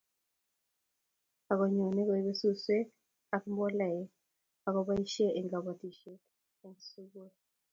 akunyone kuibe sukusek ak mboleek akuboisie eng' kabotisie eng' sukul